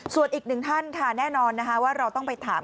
ส่วนอีกหนึ่งท่านค่ะแน่นอนนะคะว่าเราต้องไปถาม